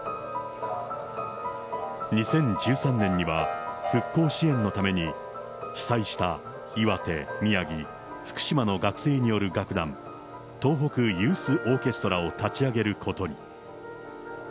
２０１３年には、復興支援のために、被災した岩手、宮城、福島の学生による楽団、東北ユースオーケストラを立ち上げることに。